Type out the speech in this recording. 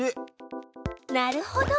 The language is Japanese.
なるほど！